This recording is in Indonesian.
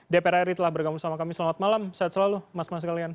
dpr ri telah bergabung sama kami selamat malam sehat selalu mas mas kalian